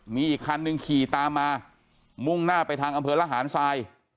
มีอีกคันหนึ่งขี่ตามมามุ่งหน้าไปทางอำเภอระหารทราย